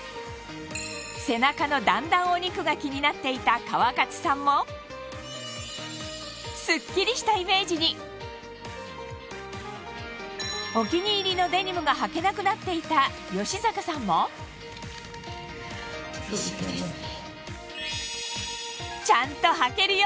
背中の段々お肉が気になっていた川勝さんもすっきりしたイメージにお気に入りのデニムがはけなくなっていた芳坂さんも厳しいですね。